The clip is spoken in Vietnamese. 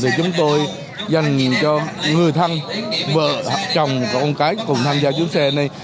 thì chúng tôi dành cho người thân vợ chồng con cái cùng tham gia chuyến xe này